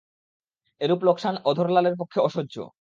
এরূপ লোকসান অধরলালের পক্ষে অসহ্য।